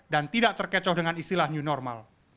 dan tidak terkecoh dengan istilah new normal